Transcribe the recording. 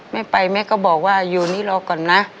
แม่ไปแม่ก็บอกว่าอยู่นี่รอก่อนนะ